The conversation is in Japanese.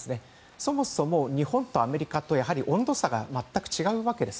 そもそも日本とアメリカと温度差が全く違うわけです。